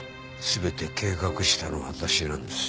全て計画したのは私なんです。